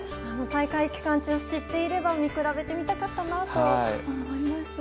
大会期間中知っていれば見比べてみたかったなと思います。